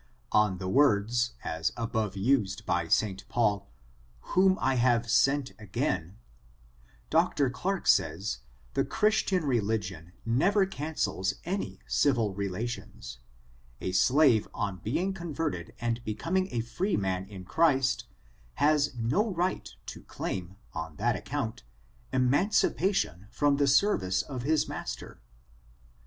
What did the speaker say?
On the words, as above used by St. Paul, ^^whom J have sent again^^ Dr. Clarke says, the Christian leligion never cancels any civil relations: a slave on being converted and becoming a free man in Christ, has no right to claim. An that account, emancipation from the service of his master.